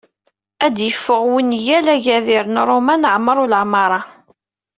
Ad d-yeffeɣ wungal Agadir n Roma n Ɛmeṛ Ulamaṛa.